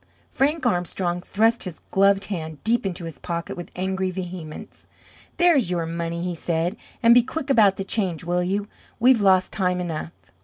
Frank Armstrong thrust his gloved hand deep into his pocket with angry vehemence. "There's your money," he said, "and be quick about the change, will you? We've lost time enough!"